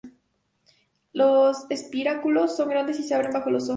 Los espiráculos son grandes y se abren bajo los ojos.